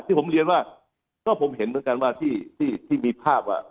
ที่ผมเรียนว่าก็ผมเห็นเหมือนกันว่าที่มีภาพว่า